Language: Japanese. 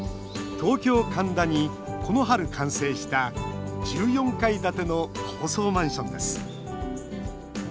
東京・神田にこの春、完成した１４階建ての高層マンションです。